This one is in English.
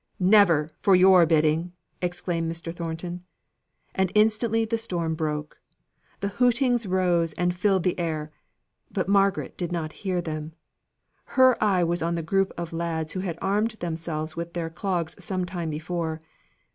"Never, for your bidding!" exclaimed Mr. Thornton. And instantly the storm broke. The hootings rose and filled the air, but Margaret did not hear them. Her eye was on the group of lads who had armed themselves with their clogs some time before.